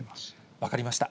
分かりました。